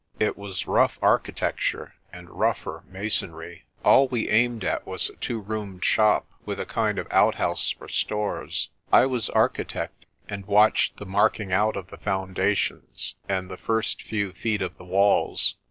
It was rough architecture and rougher masonry. MY JOURNEY TO THE WINTER VELD 59 All we aimed at was a two roomed shop with a kind of out house for stores. I was architect, and watched the marking out of the foundations and the first few feet of the walls.